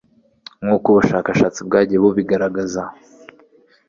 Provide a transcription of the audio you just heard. nk'uko ubushakashatsi bwagiye bubigaragaza